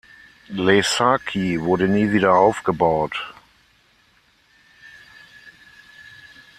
Ležáky wurde nie wieder aufgebaut.